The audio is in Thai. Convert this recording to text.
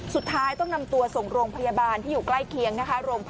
สุดท้ายต้องนำตัวส่งโรงพยาบาลที่อยู่ใกล้เคียงนะคะ